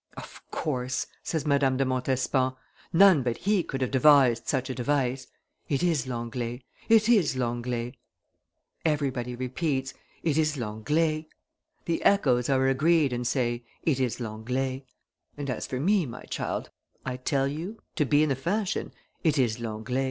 'Of course,' says Madame de Montespan, 'none but he could have devised such a device; it is Langlee, it is Langlee.' Everybody repeats, 'it is Langlee;' the echoes are agreed and say, 'it is Langlee;' and as for me, my child, I tell you, to be in the fashion, 'it is Langlle.